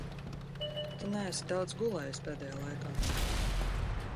Tu neesi daudz gulējis pēdējā laikā.